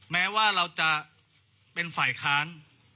แม้ว่าเราจะเป็นฝ่ายค้าน